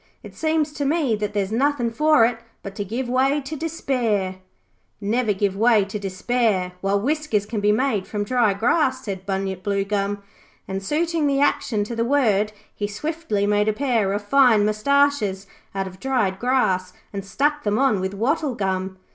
It seems to me that there's nothin' for it but to give way to despair.' 'Never give way to despair while whiskers can be made from dry grass,' said Bunyip Bluegum, and suiting the action to the word, he swiftly made a pair of fine moustaches out of dried grass and stuck them on with wattle gum.